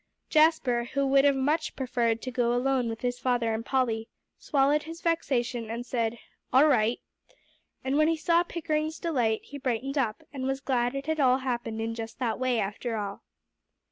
Jasper, who would have much preferred to go alone with his father and Polly, swallowed his vexation, and said, "All right;" and when he saw Pickering's delight, he brightened up, and was glad it all happened in just that way after all.